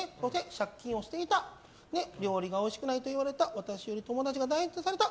借金をしていた料理がおいしくないと言われた私より友達を大事にされた。